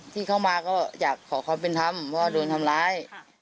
ที่เข้ามาก็อยากขอความเป็นธรรมเพราะว่าโดนทำร้าย